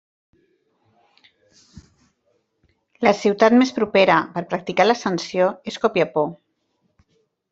La ciutat més propera per a practicar l'ascensió és Copiapó.